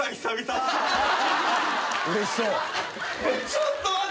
ちょっと待って。